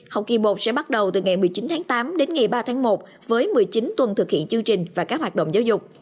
học kỳ một sẽ bắt đầu từ ngày một mươi chín tháng tám đến ngày ba tháng một với một mươi chín tuần thực hiện chương trình và các hoạt động giáo dục